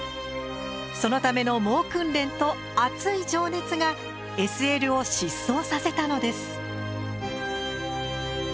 そのための猛訓練と熱い情熱がＳＬを疾走させたのです。